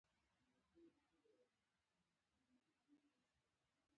رازاونیازاوزمزمې به لرې